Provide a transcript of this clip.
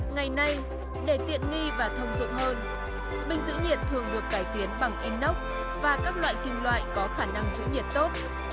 ngày nay để tiện nghi và thông dụng hơn bình giữ nhiệt thường được cải tiến bằng inox và các loại kim loại có khả năng giữ nhiệt tốt